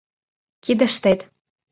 Кидыштет.